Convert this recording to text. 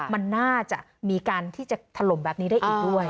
มันน่าจะมีการที่จะถล่มแบบนี้ได้อีกด้วย